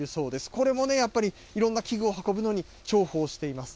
これもやっぱり、いろんな器具を運ぶのに重宝しています。